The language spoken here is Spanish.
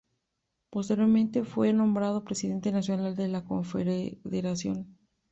Posteriormente, fue nombrado Presidente Nacional de la Confederación.